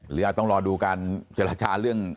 ต้องรอดูการเจรจาเรื่อง